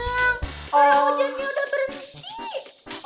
orang hujannya udah bersih